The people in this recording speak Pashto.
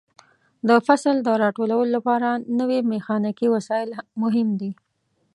د فصل د راټولولو لپاره نوې میخانیکي وسایل مهم دي.